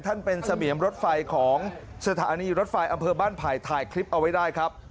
ท่านเป็นเสมียมรถไฟของสถานีรถไฟอำเภอบ้านไผ่ถ่ายคลิปเอาไว้ได้ครับ